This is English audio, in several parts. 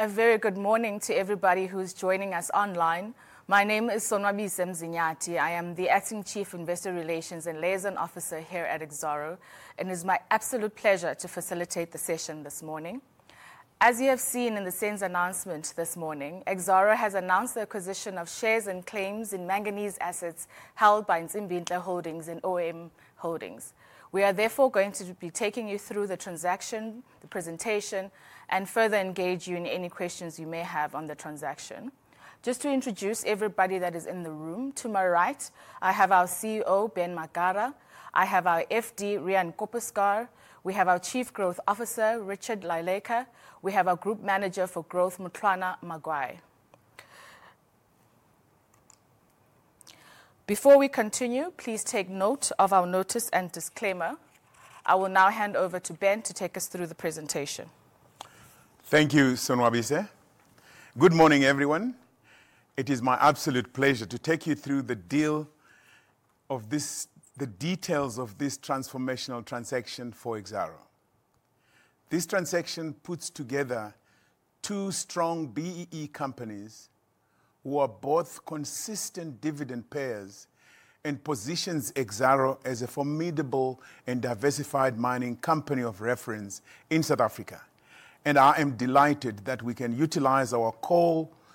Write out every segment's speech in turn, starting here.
A very good morning to everybody who's joining us online. My name is Sonwabise Mzinyathi. I am the Acting Chief Investor Relations and Liaison Officer here at Exxaro, and it is my absolute pleasure to facilitate the session this morning. As you have seen in the SENS announcement this morning, Exxaro has announced the acquisition of shares and claims in Manganese Assets held by Ntsimbintle Holdings and OM Holdings. We are therefore going to be taking you through the Transaction, the Presentation, and further engage you in any questions you may have on the Transaction. Just to introduce everybody that is in the room, to my right, I have our CEO, Ben Magara. I have our FD, Riaan Koppeschaar. We have our Chief Growth Officer, Richard Lilleike. We have our Group Manager for Growth, Mthwana Magwai. Before we continue, please take note of our notice and disclaimer. I will now hand over to Ben to take us through the presentation. Thank you, Sonwabise. Good morning, everyone. It is my absolute pleasure to take you through the details of this Transformational Transaction for Exxaro. This Transaction puts together two strong BEE Companies who are both consistent dividend payers and positions Exxaro as a formidable and diversified mining company of reference in South Africa. I am delighted that we can utilize our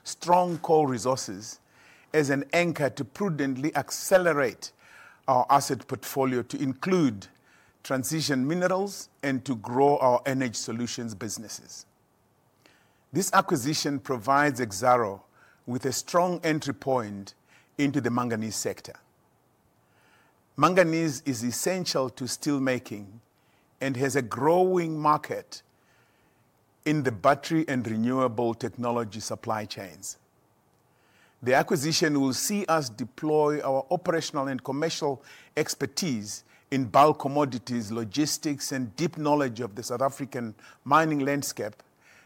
strong Coal Resources as an anchor to prudently accelerate our asset portfolio to include transition Minerals and to grow our Energy Solutions businesses. This acquisition provides Exxaro with a strong entry point into the Manganese sector. Manganese is essential to Steelmaking and has a Growing Market in the Battery and Renewable Technology supply chains. The acquisition will see us deploy our Operational and Commercial Expertise in Bulk Commodities, Logistics, and deep knowledge of the South African Mining Landscape,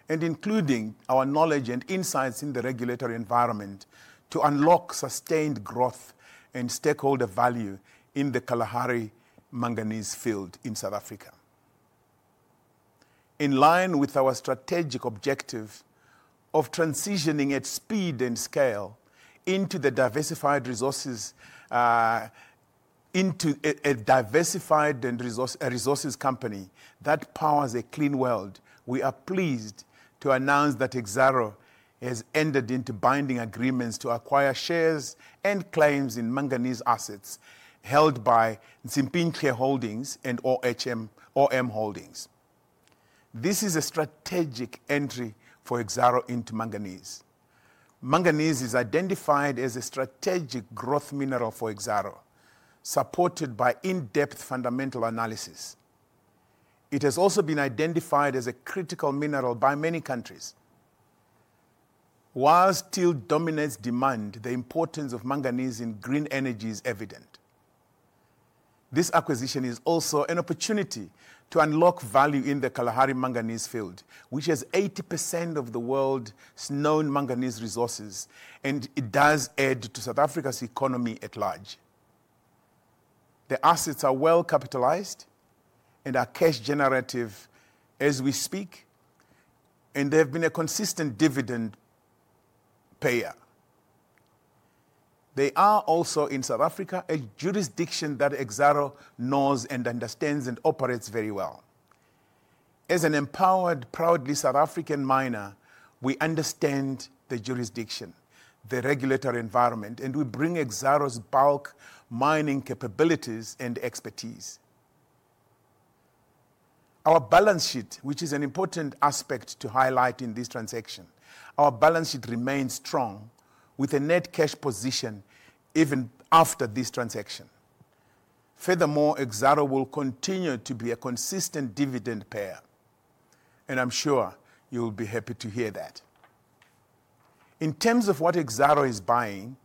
including our knowledge and insights in the Regulatory Environment to unlock sustained Growth and Stakeholder Value in the Kalahari Manganese Field in South Africa. In line with our Strategic Objective of transitioning at speed and scale into a diversified Resources Company that powers a clean world, we are pleased to announce that Exxaro has entered into binding agreements to acquire shares and claims in Manganese Assets held by Ntsimbintle Holdings and OM Holdings. This is a strategic entry for Exxaro into Manganese. Manganese is identified as a strategic growth Mineral for Exxaro, supported by in-depth fundamental analysis. It has also been identified as a critical Mineral by many countries. While steel dominates demand, the importance of Manganese in green energy is evident. This acquisition is also an opportunity to unlock value in the Kalahari Manganese Field, which has 80% of the world's known Manganese resources, and it does add to South Africa's economy at large. The assets are well capitalized and are cash generative as we speak, and they have been a consistent dividend payer. They are also in South Africa, a jurisdiction that Exxaro knows and understands and operates very well. As an empowered, proudly South African Miner, we understand the jurisdiction, the regulatory environment, and we bring Exxaro's Bulk Mining capabilities and expertise. Our Balance Sheet, which is an important aspect to highlight in this Transaction, our Balance Sheet remains strong with a Net Cash position even after this Transaction. Furthermore, Exxaro will continue to be a consistent dividend payer, and I'm sure you will be happy to hear that. In terms of what Exxaro is buying,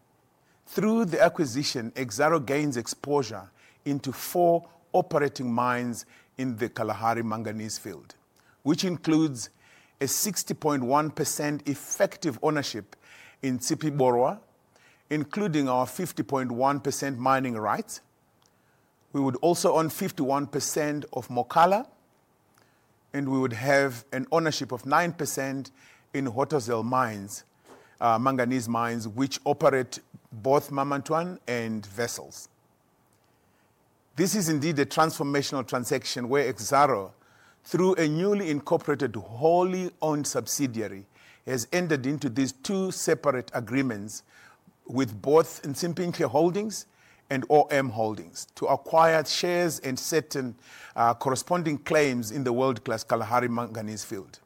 through the acquisition, Exxaro gains exposure into four Operating Mines in the Kalahari Manganese Field, which includes a 60.1% effective ownership in Tshipi Borwa, including our 50.1% mining rights. We would also own 51% of Mokala, and we would have an ownership of 9% in Hotazel Manganese Mines, which operate both Mamatwan and Wessels. This is indeed a transformational Transaction where Exxaro, through a newly incorporated wholly owned subsidiary, has entered into these two separate agreements with both Ntsimbintle Holdings and OM Holdings to acquire shares and certain corresponding claims in the world-class Kalahari Manganese Field.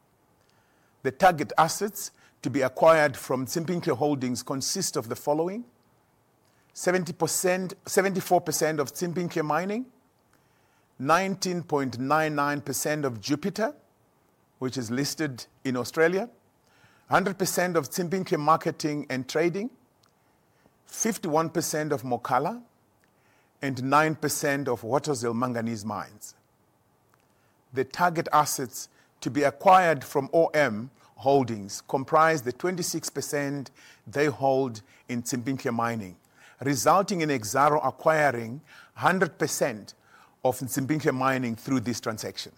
The target assets to be acquired from Ntsimbintle Holdings consist of the following: 74% of Ntsimbintle Mining, 19.99% of Jupiter, which is listed in Australia, 100% of Ntsimbintle Marketing and Trading, 51% of Mokala, and 9% of Hotazel Manganese Mines. The target assets to be acquired from OM Holdings comprise the 26% they hold in Ntsimbintle Mining, resulting in Exxaro acquiring 100% of Ntsimbintle Mining through this Transaction.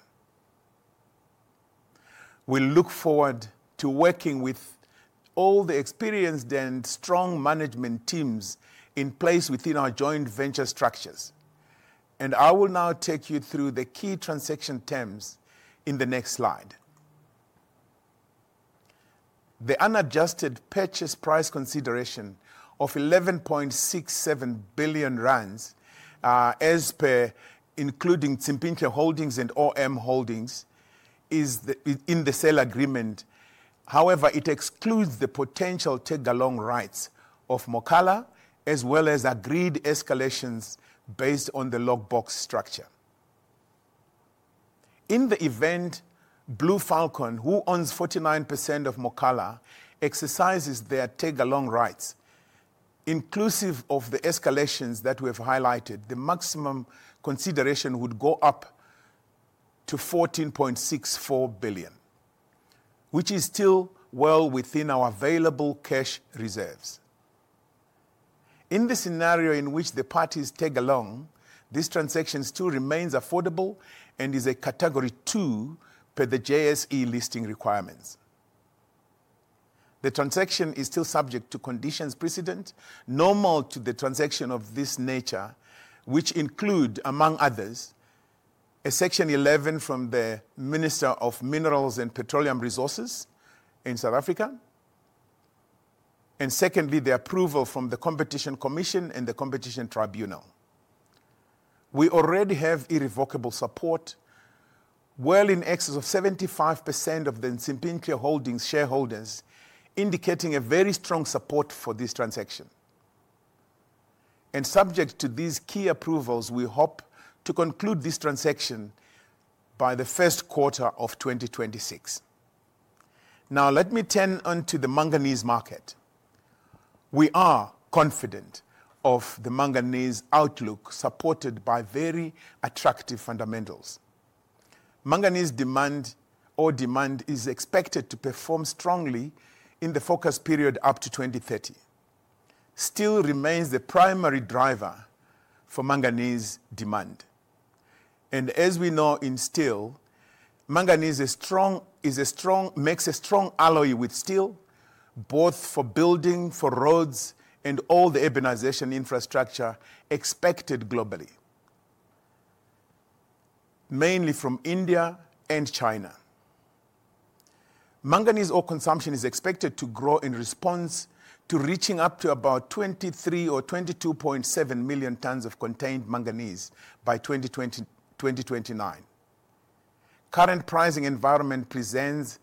We look forward to working with all the experienced and strong Management Teams in place within our joint venture structures. I will now take you through the key Transaction terms in the next slide. The unadjusted purchase price consideration of 11.67 billion rand as per including Ntsimbintle Holdings and OM Holdings is in the Sale Agreement. However, it excludes the potential tag-along rights of Mokala as well as agreed escalations based on the lock box structure. In the event Blue Falcon, who owns 49% of Mokala, exercises their tag-along rights, inclusive of the escalations that we have highlighted, the maximum consideration would go up to 14.64 billion, which is still well within our available Cash Reserves. In the scenario in which the parties tag along, this Transaction still remains affordable and is a category two per the JSE listing requirements. The Transaction is still subject to conditions precedent normal to the Transaction of this nature, which include, among others, a Section 11 from the Minister of Minerals and Petroleum Resources in South Africa, and secondly, the approval from the Competition Commission and the Competition Tribunal. We already have irrevocable support, well in excess of 75% of the Ntsimbintle Holdings Shareholders, indicating a very strong support for this Transaction. Subject to these key approvals, we hope to conclude this Transaction by the first quarter of 2026. Now, let me turn on to the Manganese market. We are confident of the Manganese outlook supported by very attractive fundamentals. Manganese demand or demand is expected to perform strongly in the focus period up to 2030. Steel remains the primary driver for Manganese demand. As we know, in Steel, Manganese makes a strong alloy with Steel, both for Building, for Roads, and all the Urbanization Infrastructure expected Globally, mainly from India and China. Manganese Ore consumption is expected to grow in response to reaching up to about 23 or 22.7 million tons of contained Manganese by 2029. The current pricing environment presents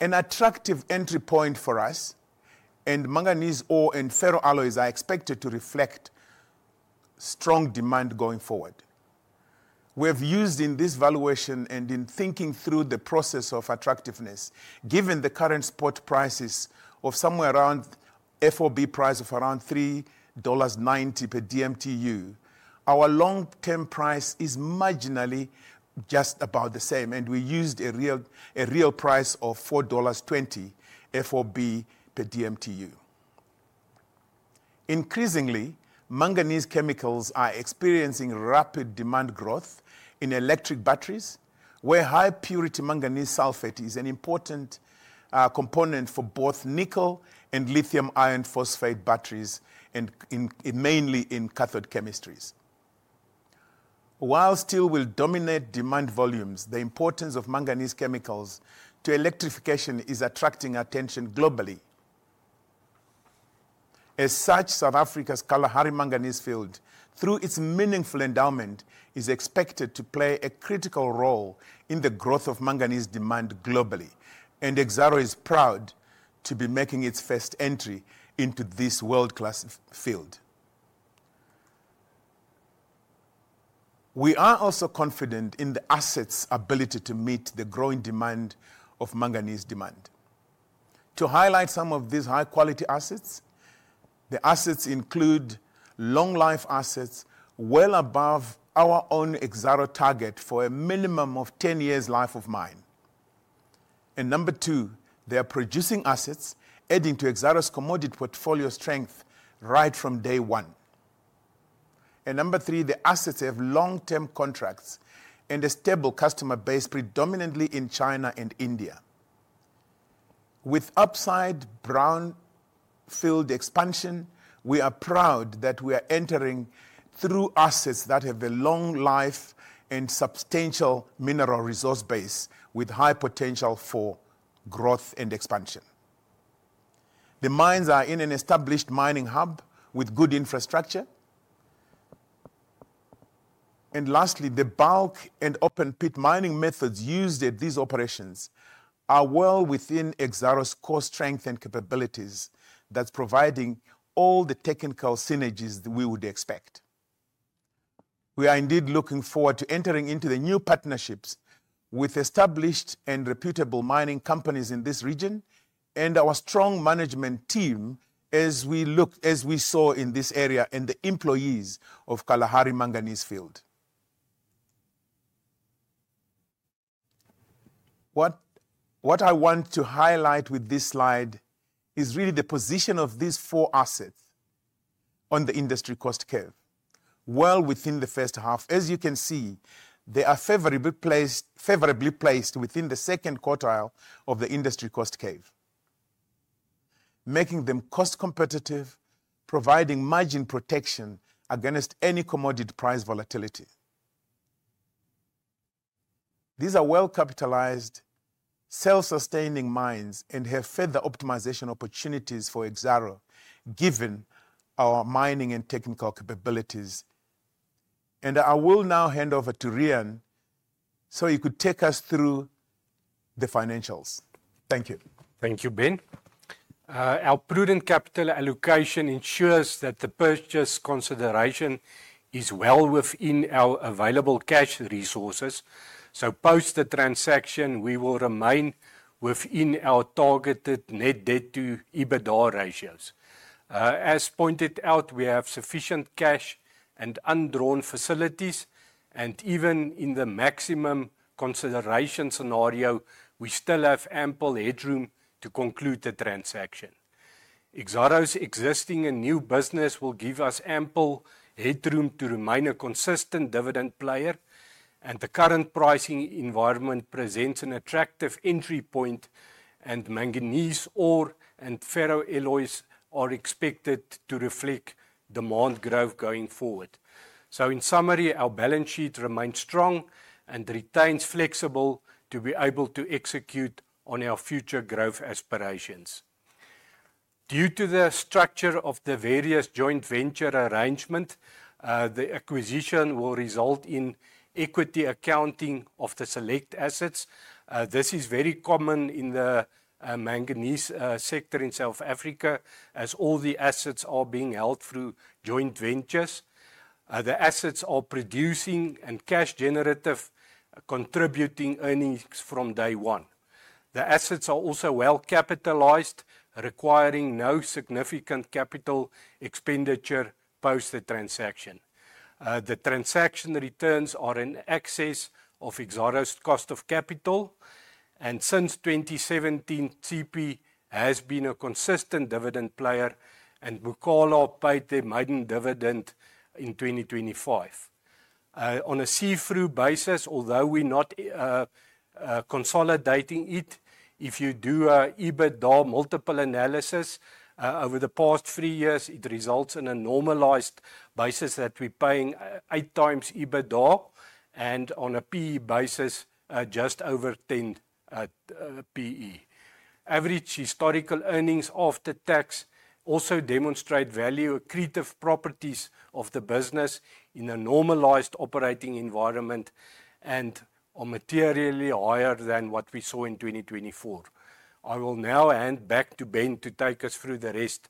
an attractive entry point for us, and Manganese ore and ferroalloys are expected to reflect strong demand going forward. We have used in this valuation and in thinking through the process of attractiveness, given the current spot prices of somewhere around FOB price of around $3.90 per DMTU. Our long-term price is marginally just about the same, and we used a real price of $4.20 FOB per DMTU. Increasingly, Manganese Chemicals are experiencing rapid demand growth in Electric Batteries, where high-purity Manganese Sulfate is an important component for both Nickel and Lithium Iron Phosphate Batteries, and mainly in Cathode Chemistries. While Steel will dominate demand volumes, the importance of Manganese Chemicals to Electrification is attracting attention Globally. As such, South Africa's Kalahari Manganese Field, through its meaningful endowment, is expected to play a critical role in the growth of Manganese demand globally, and Exxaro is proud to be making its first entry into this world-class field. We are also confident in the Assets' ability to meet the growing demand of Manganese demand. To highlight some of these high-quality Assets, the Assets include long-life Assets well above our own Exxaro target for a minimum of 10 years' life of Mine. Number two, they are producing assets adding to Exxaro's commodity portfolio strength right from day one. Number three, the assets have long-term contracts and a stable customer base, predominantly in China and India. With upside Brownfield Expansion, we are proud that we are entering through Assets that have a long life and substantial Mineral resource base with high potential for growth and expansion. The Mines are in an established mining hub with good infrastructure. Lastly, the bulk and open-pit Mining Methods used at these operations are well within Exxaro's core strength and capabilities, providing all the technical synergies that we would expect. We are indeed looking forward to entering into the new partnerships with established and reputable mining companies in this region and our strong management team as we look, as we saw in this area, and the employees of Kalahari Manganese Field. What I want to highlight with this slide is really the position of these four Assets on the Industry Cost Curve, well within the first half. As you can see, they are favorably placed within the second quartile of the Industry Cost Curve, making them cost competitive, providing margin protection against any commodity price volatility. These are well-capitalized, self-sustaining Mines and have further optimization opportunities for Exxaro given our mining and technical capabilities. I will now hand over to Riaan so he could take us through the Financials. Thank you. Thank you, Ben. Our prudent capital allocation ensures that the purchase consideration is well within our available cash resources. Post the Transaction, we will remain within our targeted net debt to EBITDA Ratios. As pointed out, we have sufficient cash and undrawn facilities, and even in the maximum consideration scenario, we still have ample headroom to conclude the Transaction. Exxaro's existing and new business will give us ample headroom to remain a consistent dividend player, and the current pricing environment presents an attractive entry point, and Manganese ore and ferroalloys are expected to reflect demand growth going forward. In summary, our balance sheet remains strong and retains flexibility to be able to execute on our future growth aspirations. Due to the structure of the various joint venture arrangements, the acquisition will result in equity accounting of the select assets. This is very common in the Manganese sector in South Africa as all the assets are being held through joint ventures. The assets are producing and cash generative contributing earnings from day one. The assets are also well-capitalized, requiring no significant capital expenditure post the Transaction. The Transaction Returns are in excess of Exxaro's cost of capital, and since 2017, Tshipi has been a consistent dividend player and will call up by the maiden dividend in 2025. On a see-through basis, although we're not consolidating it, if you do an EBITDA multiple analysis over the past three years, it results in a normalized basis that we're paying eight times EBITDA and on a PE basis just over 10 PE. Average Historical Earnings after Tax also demonstrate value accretive properties of the business in a normalized operating environment and are materially higher than what we saw in 2024. I will now hand back to Ben to take us through the rest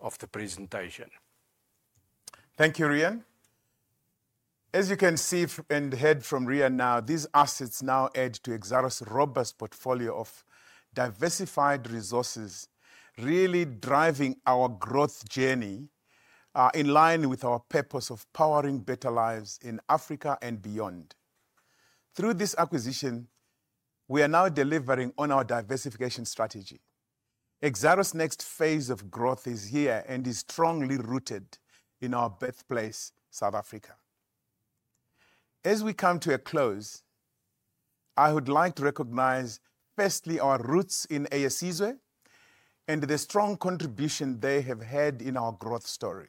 of the presentation. Thank you, Riaan. As you can see and hear from Riaan now, these assets now add to Exxaro's robust portfolio of diversified resources, really driving our growth journey in line with our purpose of powering better lives in Africa and beyond. Through this acquisition, we are now delivering on our diversification strategy. Exxaro's next phase of growth is here and is strongly rooted in our birthplace, South Africa. As we come to a close, I would like to recognize firstly our roots in ASIZO and the strong contribution they have had in our growth story.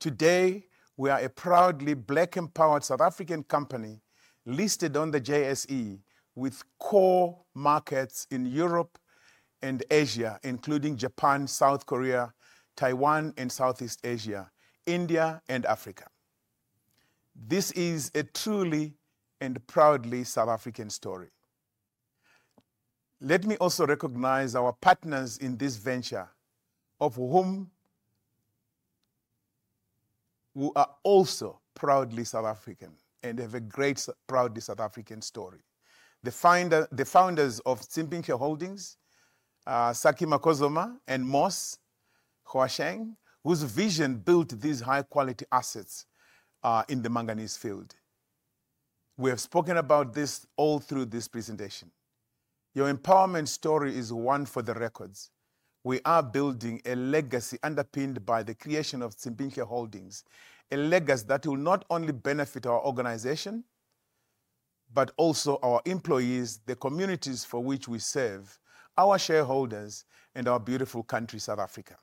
Today, we are a proudly Black-empowered South African company listed on the JSE with core markets in Europe and Asia, including Japan, South Korea, Taiwan and Southeast Asia, India, and Africa. This is a truly and proudly South African story. Let me also recognize our partners in this venture, who are also proudly South African and have a great proudly South African story. The founders of Ntsimbintle Holdings, Saki Macozoma and Moss Hwasheng, whose vision built these high-quality assets in the Manganese field. We have spoken about this all through this presentation. Your empowerment story is one for the records. We are building a legacy underpinned by the creation of Ntsimbintle Holdings, a legacy that will not only benefit our organization, but also our employees, the communities for which we serve, our shareholders, and our beautiful country, South Africa.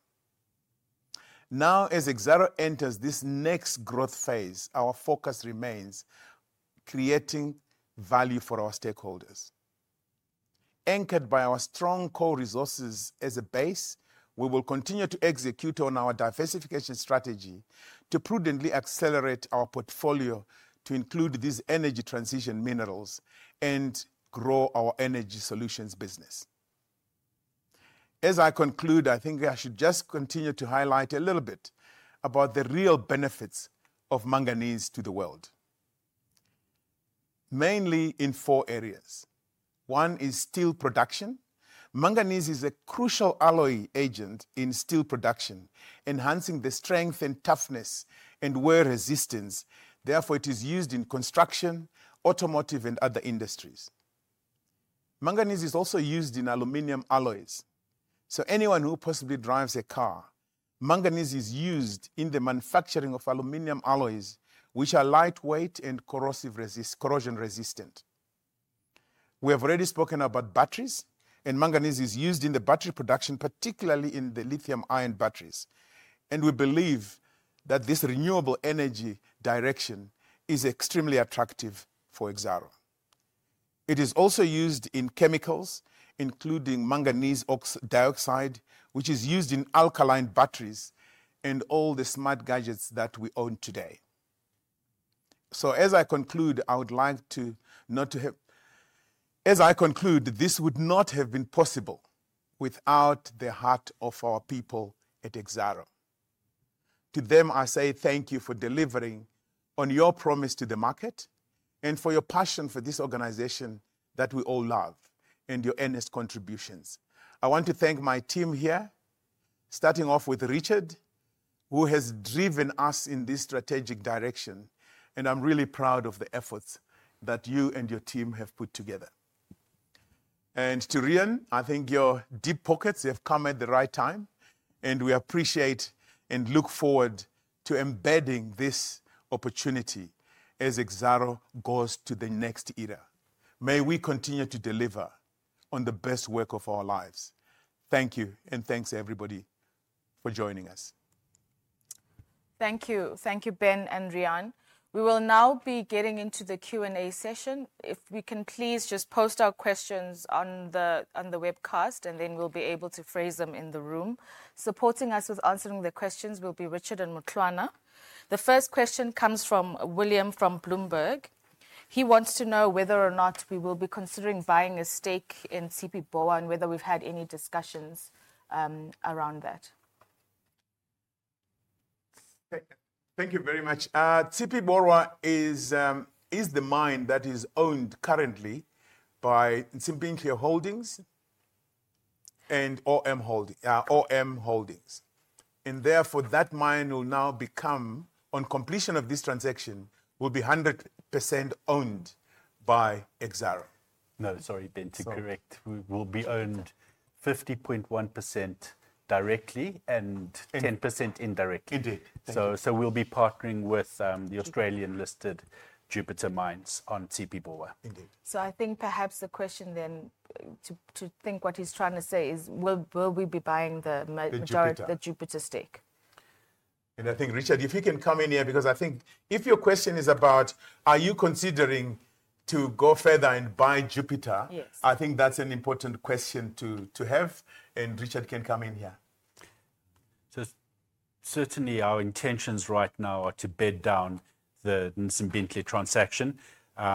Now, as Exxaro enters this next growth phase, our focus remains creating value for our Stakeholders. Anchored by our strong core resources as a base, we will continue to execute on our diversification strategy to prudently accelerate our portfolio to include these Energy Transition Minerals and grow our Energy Solutions business. As I conclude, I think I should just continue to highlight a little bit about the real benefits of Manganese to the world, mainly in four areas. One is Steel Production. Manganese is a crucial Alloy Agent in Steel Production, enhancing the strength and toughness and wear resistance. Therefore, it is used in construction, automotive, and other industries. Manganese is also used in Aluminum Alloys. So anyone who possibly drives a car, Manganese is used in the manufacturing of Aluminum Alloys, which are lightweight and Corrosion Resistant. We have already spoken about Batteries, and Manganese is used in the Battery production, particularly in the Lithium-ion Batteries. We believe that this Renewable Energy direction is extremely attractive for Exxaro. It is also used in chemicals, including Manganese Oxide Dioxide, which is used in Alkaline Batteries and all the smart gadgets that we own today. As I conclude, I would like to say this would not have been possible without the heart of our people at Exxaro. To them, I say thank you for delivering on your promise to the market and for your passion for this organization that we all love and your earnest contributions. I want to thank my team here, starting off with Richard, who has driven us in this strategic direction, and I'm really proud of the efforts that you and your team have put together. To Riaan, I think your deep pockets have come at the right time, and we appreciate and look forward to embedding this opportunity as Exxaro goes to the next era. May we continue to deliver on the best work of our lives. Thank you, and thanks everybody for joining us. Thank you. Thank you, Ben and Riaan. We will now be getting into the Q&A session. If we can please just post our questions on the webcast, and then we'll be able to phrase them in the room. Supporting us with answering the questions will be Richard and Mohloana. The first question comes from William from Bloomberg. He wants to know whether or not we will be considering buying a stake in Tshipi Borwa and whether we've had any discussions around that. Thank you very much. Tshipi Borwa is the Mine that is owned currently by Ntsimbintle Holdings and OM Holdings. Therefore, that Mine will now become, on completion of this Transaction, will be 100% owned by Exxaro. No, sorry, Ben, to correct, we will be owned 50.1% directly and 10% indirectly. Indeed. We will be partnering with the Australian-listed Jupiter Mines on Tshipi Borwa. Indeed. I think perhaps the question then to think what he is trying to say is, will we be buying the majority, the Jupiter stake? I think Richard, if you can come in here, because I think if your question is about, are you considering to go further and buy Jupiter? Yes. I think that is an important question to have, and Richard can come in here. Certainly our intentions right now are to bed down the Ntsimbintle Transaction.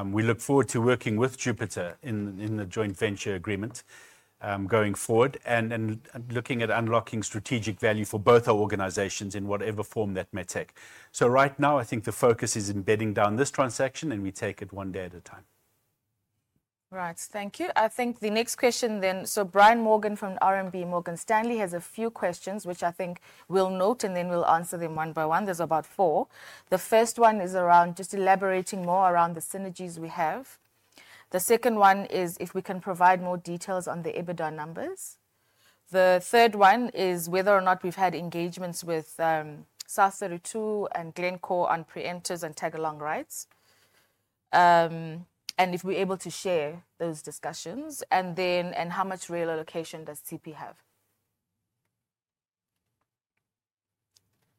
We look forward to working with Jupiter in the joint venture agreement going forward and looking at unlocking strategic value for both our organizations in whatever form that may take. Right now, I think the focus is in bedding down this Transaction, and we take it one day at a time. Right, thank you. I think the next question then, so Brian Morgan from RMB, Morgan Stanley, has a few questions, which I think we'll note and then we'll answer them one by one. There are about four. The first one is around just elaborating more around the synergies we have. The second one is if we can provide more details on the EBITDA numbers. The third one is whether or not we've had engagements with Sakkie Swanepoel and Glencore on preemptive and tag-along rights, and if we're able to share those discussions, and then how much reallocation does Tshipi have?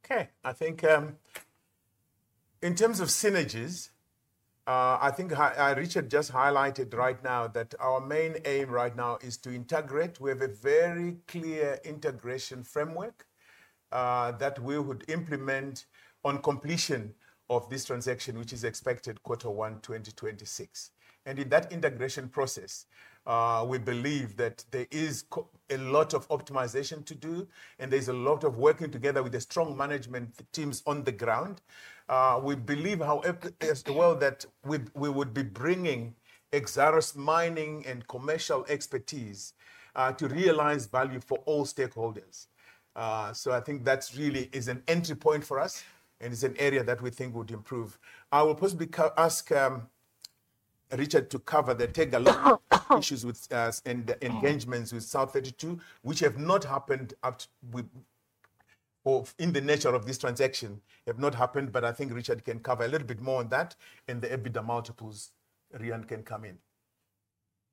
Okay, I think in terms of synergies, I think Richard just highlighted right now that our main aim right now is to integrate. We have a very clear integration framework that we would implement on completion of this Transaction, which is expected quarter one 2026. In that integration process, we believe that there is a lot of optimization to do, and there's a lot of working together with the strong management teams on the ground. We believe, however, as well that we would be bringing Exxaro's Mining and Commercial expertise to realize value for all stakeholders. I think that really is an entry point for us, and it's an area that we think would improve. I will possibly ask Richard to cover the tag-along issues with us and the engagements with Sakkie Swanepoel, which have not happened in the nature of this Transaction, have not happened, but I think Richard can cover a little bit more on that and the EBITDA multiples. Riaan can come in.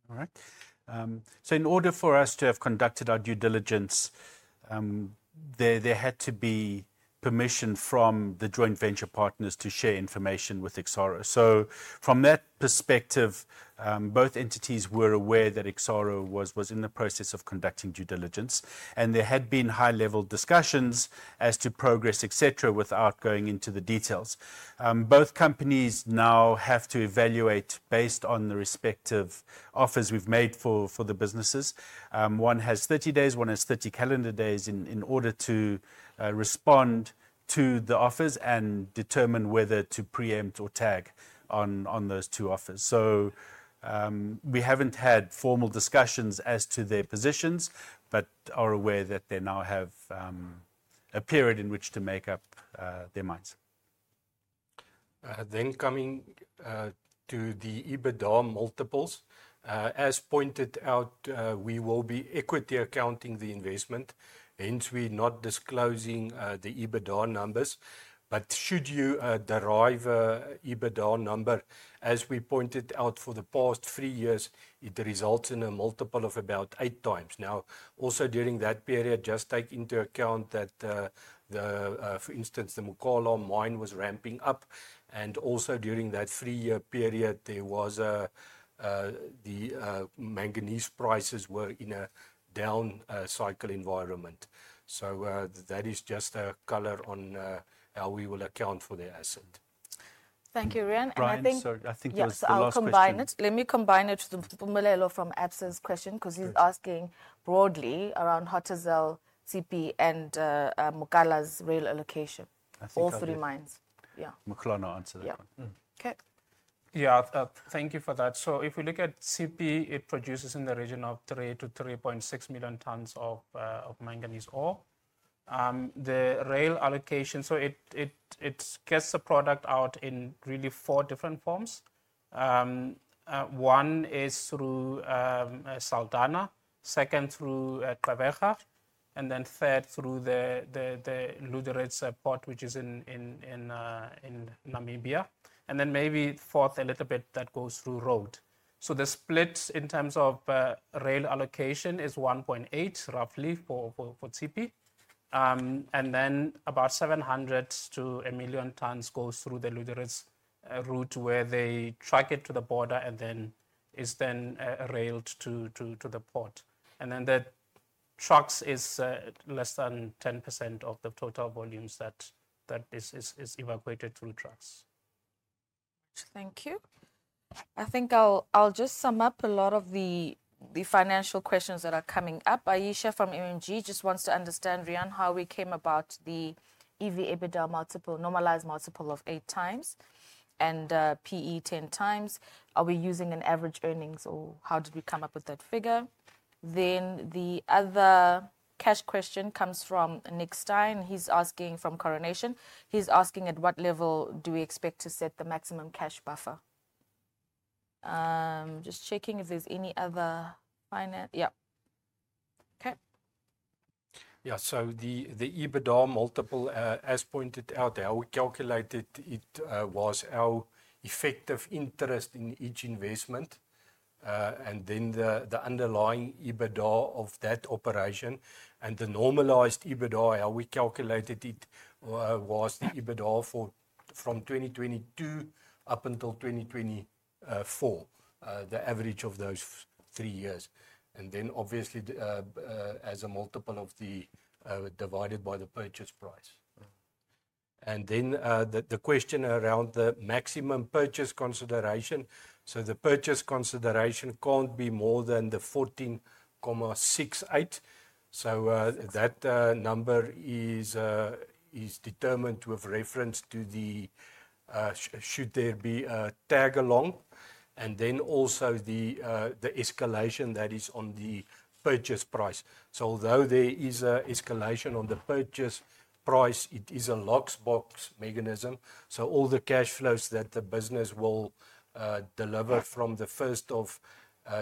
All right. In order for us to have conducted our due diligence, there had to be permission from the joint venture partners to share information with Exxaro. From that perspective, both entities were aware that Exxaro was in the process of conducting due diligence, and there had been high-level discussions as to progress, etc., without going into the details. Both companies now have to evaluate based on the respective offers we've made for the businesses. One has 30 days, one has 30 calendar days in order to respond to the offers and determine whether to preempt or tag on those two offers. We have not had formal discussions as to their positions, but are aware that they now have a period in which to make up their minds. Coming to the EBITDA multiples, as pointed out, we will be equity accounting the investment, hence we are not disclosing the EBITDA numbers. Should you derive an EBITDA number, as we pointed out for the past three years, it results in a multiple of about eight times. Also during that period, just take into account that, for instance, the Mokala Mine was ramping up, and also during that three-year period, the Manganese prices were in a down cycle environment. That is just a color on how we will account for the asset. Thank you, Riaan. I think, yes, I'll combine it. Let me combine it to Mpumelelo from Absa's question because he's asking broadly around Hotazel, Tshipi, and Mokala's reallocation, all three Mines. Yeah. Mthwana will answer that one. Okay. Yeah, thank you for that. If we look at Tshipi, it produces in the region of 3-3.6 million tons of Manganese ore. The reallocation, it gets the product out in really four different forms. One is through Saldanha, second through Touws River, and then third through the Lüderitz port, which is in Namibia. Maybe fourth, a little bit that goes through road. The split in terms of reallocation is 1.8 million roughly for Tshipi. Then about 700,000 to 1 million tons goes through the Lüderitz route where they truck it to the border and then it is railed to the port. The trucks is less than 10% of the total volumes that is evacuated through trucks. Thank you. I think I'll just sum up a lot of the financial questions that are coming up. Ayesha from MMG just wants to understand, Riaan, how we came about the EV/EBITDA multiple, normalized multiple of eight times and PE 10 times. Are we using an average earnings or how did we come up with that figure? The other cash question comes from Nick Stein. He's asking from Coronation. He's asking at what level do we expect to set the maximum cash buffer? Just checking if there's any other finance. Yeah. Okay. Yeah, so the EBITDA multiple, as pointed out there, how we calculated it was our effective interest in each investment and then the underlying EBITDA of that operation. The normalized EBITDA, how we calculated it was the EBITDA from 2022 up until 2024, the average of those three years. Obviously, as a multiple of the divided by the purchase price. The question around the maximum purchase consideration, the purchase consideration cannot be more than 14.68 billion. That number is determined to have reference to the should there be a tag-along, and also the escalation that is on the purchase price. Although there is an escalation on the purchase price, it is a lock box Mechanism. All the cash flows that the business will deliver from the 1st of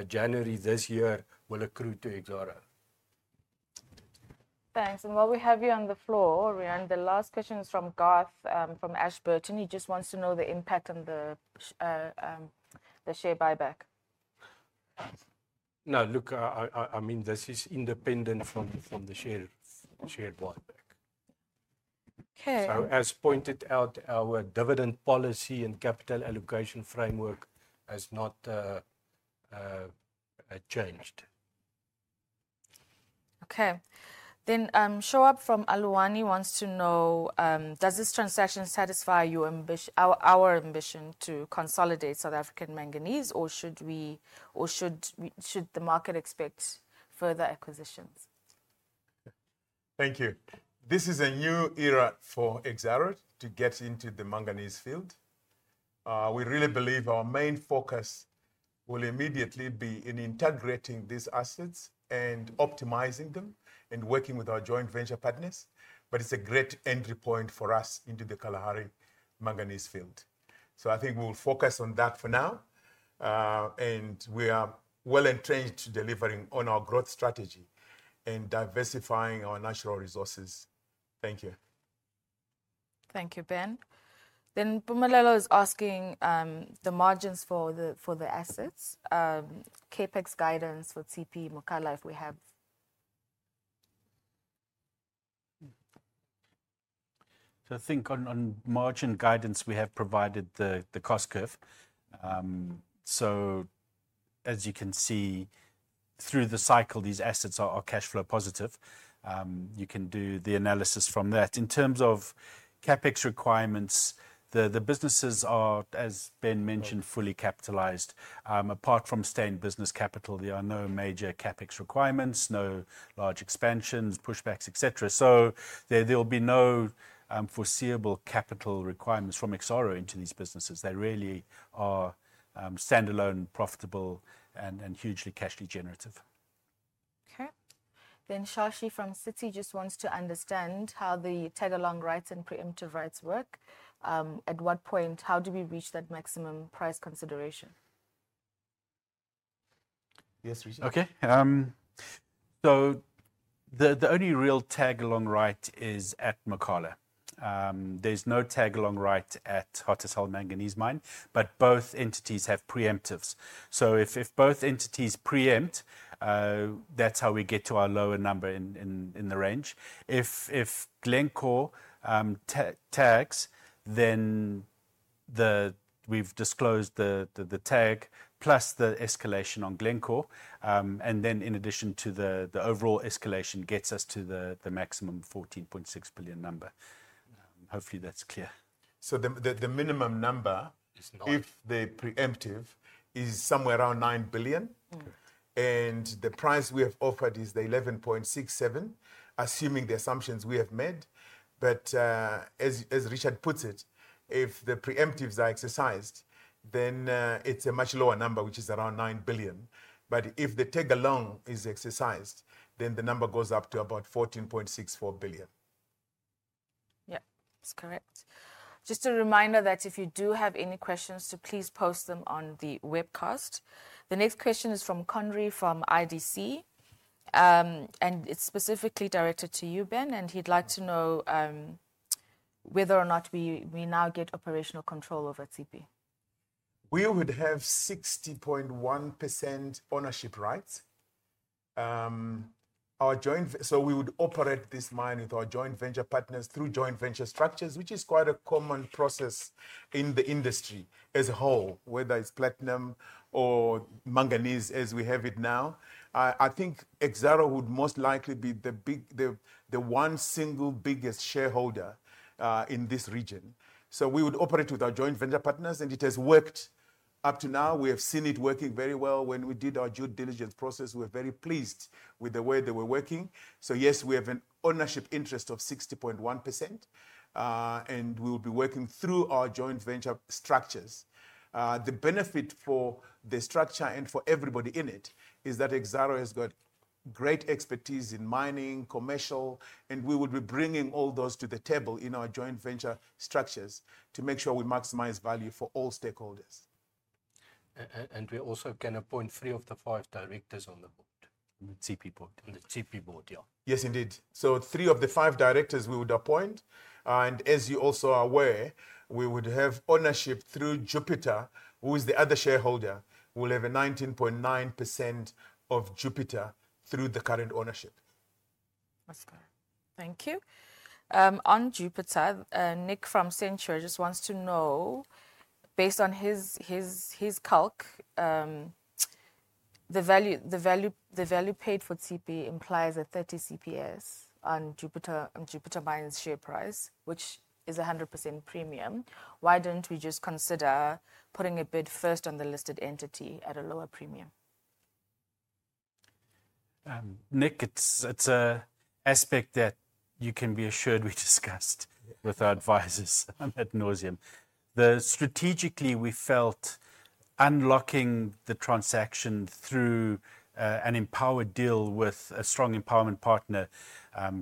January this year will accrue to Exxaro. Thanks. While we have you on the floor, Riaan, the last question is from Garth from Ashburton. He just wants to know the impact on the share buyback. No, look, I mean, this is independent from the share buyback. Okay. As pointed out, our dividend policy and capital allocation framework has not changed. Okay. Shawab from ALUWANI wants to know, does this Transaction satisfy our ambition to consolidate South African Manganese or should the market expect further acquisitions? Thank you. This is a new era for Exxaro to get into the Manganese field. We really believe our main focus will immediately be in integrating these assets and optimizing them and working with our joint venture partners. It is a great entry point for us into the Kalahari Manganese Field. I think we will focus on that for now. We are well entrenched to delivering on our growth strategy and diversifying our natural resources. Thank you. Thank you, Ben. Mlelo is asking the margins for the assets, CapEx guidance for Tshipi, Mokala if we have. I think on margin guidance, we have provided the cost curve. As you can see, through the cycle, these assets are cash flow positive. You can do the analysis from that. In terms of CapEx requirements, the businesses are, as Ben mentioned, fully capitalized. Apart from stay-in-business capital, there are no major CapEx requirements, no large expansions, pushbacks, etc. There will be no foreseeable capital requirements from Exxaro into these businesses. They really are standalone, profitable, and hugely cash generative. Okay. Shashi from Sitsi just wants to understand how the tag-along rights and preemptive rights work. At what point, how do we reach that maximum price consideration? Yes, Richard. The only real tag-along right is at Mokala. There is no tag-along right at Hotazel Manganese Mines, but both entities have preemptives. If both entities preempt, that's how we get to our lower number in the range. If Glencore tags, then we've disclosed the tag plus the escalation on Glencore. In addition to the overall escalation, that gets us to the maximum 14.6 billion number. Hopefully that's clear. The minimum number, if they're preemptive, is somewhere around 9 billion. The price we have offered is the 11.67 billion, assuming the assumptions we have made. As Richard puts it, if the preemptives are exercised, then it's a much lower number, which is around 9 billion. If the tag-along is exercised, then the number goes up to about 14.64 billion. Yeah, that's correct. Just a reminder that if you do have any questions, please post them on the webcast. The next question is from Conrie from IDC. It's specifically directed to you, Ben, and he'd like to know whether or not we now get operational control over Tshipi. We would have 60.1% ownership rights. We would operate this Mine with our joint venture partners through joint venture structures, which is quite a common process in the industry as a whole, whether it's platinum or Manganese as we have it now. I think Exxaro would most likely be the one single biggest shareholder in this region. We would operate with our joint venture partners, and it has worked up to now. We have seen it working very well. When we did our due diligence process, we were very pleased with the way they were working. Yes, we have an ownership interest of 60.1%, and we will be working through our joint venture structures. The benefit for the structure and for everybody in it is that Exxaro has got great expertise in mining, commercial, and we would be bringing all those to the table in our joint venture structures to make sure we maximize value for all stakeholders. We also can appoint three of the five directors on the board. On the Tshipi board. On the Tshipi board, yeah. Yes, indeed. Three of the five directors we would appoint. As you also are aware, we would have ownership through Jupiter, who is the other shareholder. We will have a 19.99% of Jupiter through the current ownership. That's correct. Thank you. On Jupiter, Nick from Senture just wants to know, based on his calc, the value paid for Tshipi implies a 30 CPS on Jupiter Mines' share price, which is a 100% premium. Why don't we just consider putting a bid first on the listed entity at a lower premium? Nick, it's an aspect that you can be assured we discussed with our advisors at Nosium. Strategically, we felt unlocking the Transaction through an empowered deal with a strong empowerment partner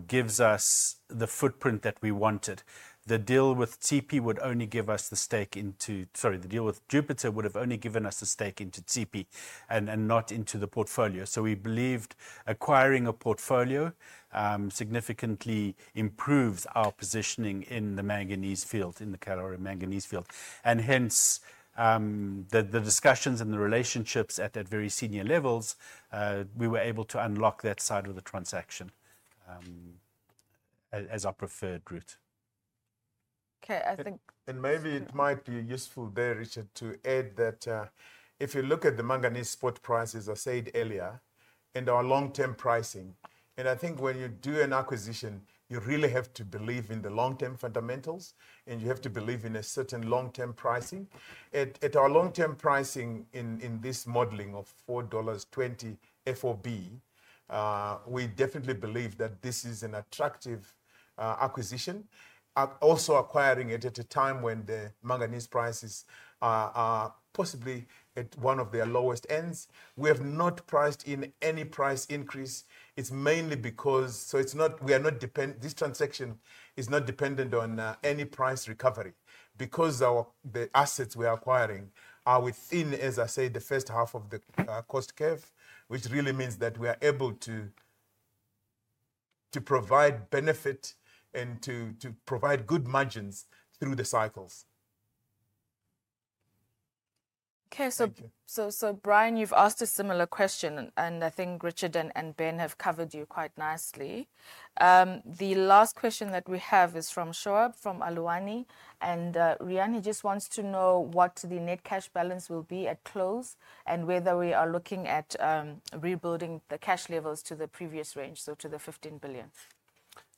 gives us the footprint that we wanted. The deal with Tshipi would only give us the stake into, sorry, the deal with Jupiter would have only given us the stake into Tshipi and not into the portfolio. We believed acquiring a portfolio significantly improves our positioning in the Manganese field, in the Kalahari Manganese Field. Hence the discussions and the relationships at that very senior levels, we were able to unlock that side of the Transaction as our preferred route. Okay. Maybe it might be useful there, Richard, to add that if you look at the Manganese spot prices I said earlier and our long-term pricing, and I think when you do an acquisition, you really have to believe in the long-term fundamentals, and you have to believe in a certain long-term pricing. At our long-term pricing in this modeling of $4.20 FOB, we definitely believe that this is an attractive acquisition. Also acquiring it at a time when the Manganese prices are possibly at one of their lowest ends. We have not priced in any price increase. It's mainly because we are not dependent, this Transaction is not dependent on any price recovery because the assets we are acquiring are within, as I say, the first half of the cost curve, which really means that we are able to provide benefit and to provide good margins through the cycles. Okay. So Brian, you've asked a similar question, and I think Richard and Ben have covered you quite nicely. The last question that we have is from Shawab from ALUWANI and Riaan. He just wants to know what the net cash balance will be at close and whether we are looking at rebuilding the cash levels to the previous range, so to the 15 billion.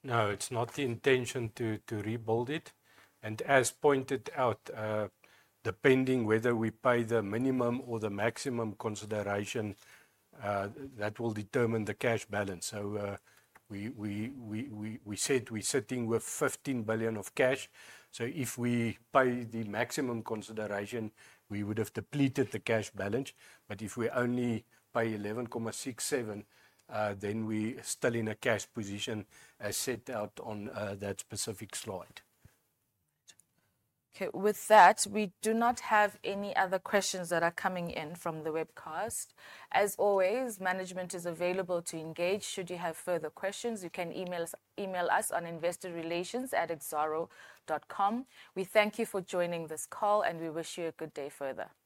No, it's not the intention to rebuild it. As pointed out, depending whether we pay the minimum or the maximum consideration, that will determine the cash balance. We said we're sitting with 15 billion of cash. If we pay the maximum consideration, we would have depleted the cash balance. If we only pay 11.67 billion, then we're still in a cash position as set out on that specific slide. Okay. With that, we do not have any other questions that are coming in from the webcast. As always, management is available to engage. Should you have further questions, you can email us on investorrelations@exxaro.com. We thank you for joining this call, and we wish you a good day further. Good.